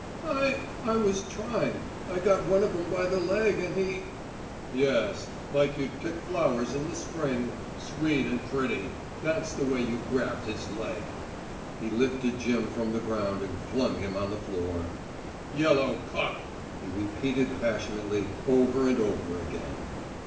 "I I was trying I got one of 'em by the leg, and he " "Yes, like you'd pick flowers in the spring sweet and pretty that's the way you grabbed his leg." He lifted Jim from the ground and flung him on the floor. "Yellow pup!" he repeated passionately, over and over again.